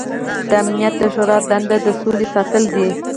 د امنیت د شورا دنده د سولې ساتل دي.